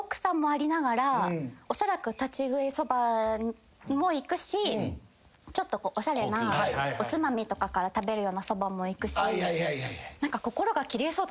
おそらく立ち食いそばも行くしちょっとおしゃれなおつまみとかから食べるようなそばも行くし。